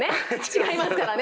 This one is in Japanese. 違いますからね。